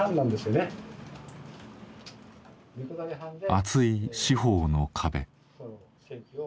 厚い司法の壁。